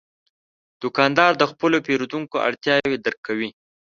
دوکاندار د خپلو پیرودونکو اړتیاوې درک کوي.